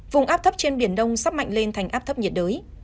vùng áp thấp trên biển đông sắp mạnh lên thành áp thấp nhiệt đới